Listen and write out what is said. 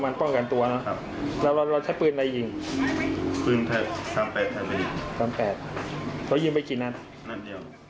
มันเขาเห็นผมแต่เขาก็จะรอ